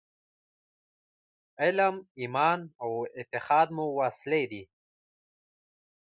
علم، ایمان او اتحاد مو وسلې دي.